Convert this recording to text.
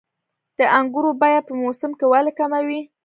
د انګورو بیه په موسم کې ولې کمه وي؟